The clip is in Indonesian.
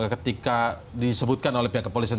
ketika disebutkan oleh pihak kepolisian